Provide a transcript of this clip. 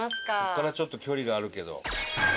ここからちょっと距離があるけど。